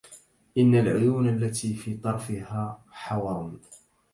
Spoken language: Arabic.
إن العيون التي في طرفها حور